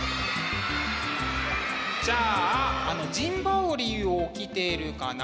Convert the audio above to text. じゃああの陣羽織を着てるかな？